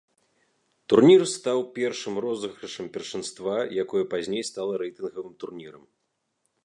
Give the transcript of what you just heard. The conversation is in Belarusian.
Турнір стаў першым розыгрышам першынства, якое пазней стала рэйтынгавым турнірам.